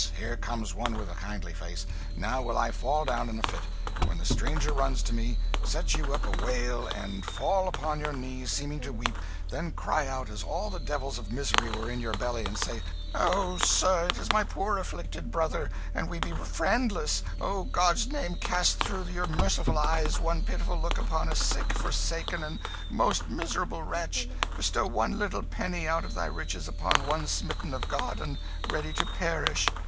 Here comes one with a kindly face. Now will I fall down in a fit. When the stranger runs to me, set you up a wail, and fall upon your knees, seeming to weep; then cry out as all the devils of misery were in your belly, and say, 'Oh, sir, it is my poor afflicted brother, and we be friendless; o' God's name cast through your merciful eyes one pitiful look upon a sick, forsaken, and most miserable wretch; bestow one little penny out of thy riches upon one smitten of God and ready to perish!